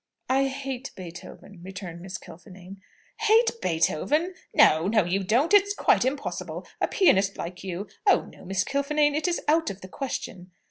"I hate Beethoven," returned Miss Kilfinane. "Hate Beethoven! No, no, you don't. It's quite impossible! A pianist like you! Oh no, Miss Kilfinane, it is out of the question."